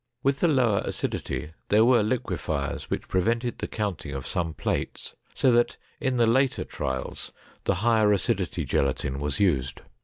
With the lower acidity there were liquifiers which prevented the counting of some plates, so that in the later trials the higher acidity gelatin was used.